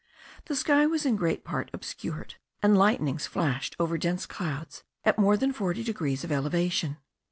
The sky was in great part obscured, and lightnings flashed over dense clouds at more than forty degrees of elevation.